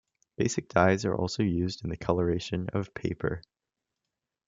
Basic dyes are also used in the coloration of paper.